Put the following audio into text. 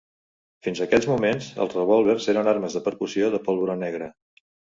Fins aquells moments, els revòlvers eren armes de percussió de pólvora negra.